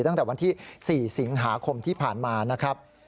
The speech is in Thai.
ตั้งแต่วันที่๔สิงหาคมที่ผ่านมานะครับ